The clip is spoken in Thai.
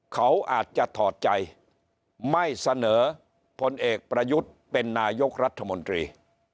เขาอาจจะถอดใจไม่เสนอผลเอกประยุทธ์เป็นนายกรัฐมนตรี